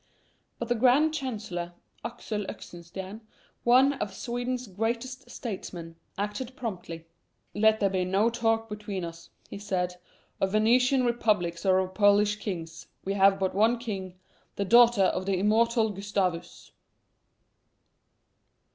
But the Grand Chancellor, Axel Oxenstiern, one of Sweden's greatest statesmen, acted promptly. "Let there be no talk between us," he said, "of Venetian republics or of Polish kings. We have but one king the daughter of the immortal Gustavus!"